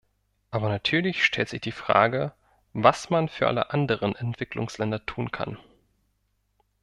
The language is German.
Aber natürlich stellt sich die Frage, was man für alle anderen Entwicklungsländer tun kann.